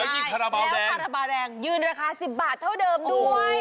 แล้วคาราบาแรงยืนราคา๑๐บาทเท่าเดิมด้วย